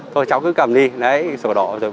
thôi cháu cứ cầm đi